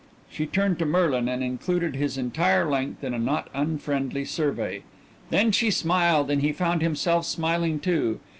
She turned to Merlin and included his entire length in a not unfriendly survey. Then she smiled and he found himself smiling too.